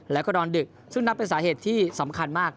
แล้วก็นอนดึกซึ่งนับเป็นสาเหตุที่สำคัญมาก